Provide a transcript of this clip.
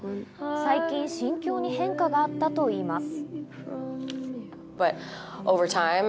最近、心境に変化があったといいます。